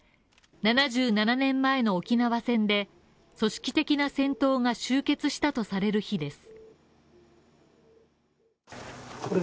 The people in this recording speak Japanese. ７７年前の沖縄戦で組織的な戦闘が終結したとされる日です。